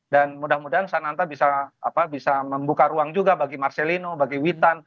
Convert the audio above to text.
dan mudah mudahan sananta bisa membuka ruang juga bagi marcelino bagi witan